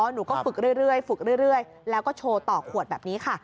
หนูก็ฝึกเรื่อยแล้วก็โชว์ต่อขวดแบบนี้ค่ะ